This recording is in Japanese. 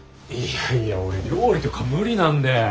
いやいや俺料理とか無理なんで。